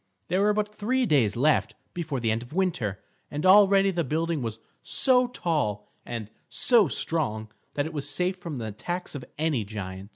There were but three days left before the end of winter, and already the building was so tall and so strong that it was safe from the attacks of any giant.